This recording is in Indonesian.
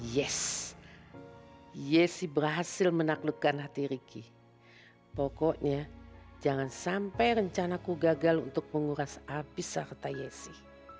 yes yesi berhasil menaklukkan hati riki pokoknya jangan sampai rencanaku gagal untuk menguras api serta yesi